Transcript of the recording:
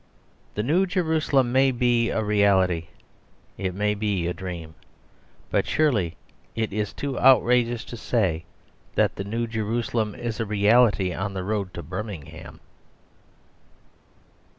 The New Jerusalem may be a reality. It may be a dream. But surely it is too outrageous to say that the New Jerusalem is a reality on the road to Birmingham.